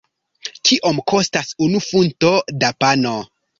Kiom kostas unu funto da pano?